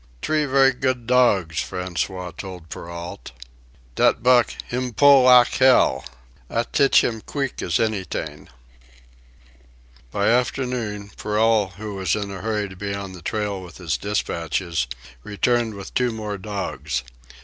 "T'ree vair' good dogs," François told Perrault. "Dat Buck, heem pool lak hell. I tich heem queek as anyt'ing." By afternoon, Perrault, who was in a hurry to be on the trail with his despatches, returned with two more dogs.